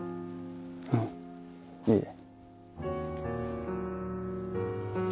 うんいいえ。